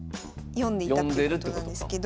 読んでいたってことなんですけど。